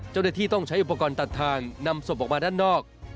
เจ้าหน้าที่ต้องใช้อุปกรณ์ตัดทางนำศพออกมาด้านนอก